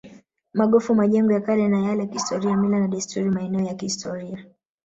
Magofu majengo ya kale na ya kihistoria mila na desturi maeneo ya kihistoria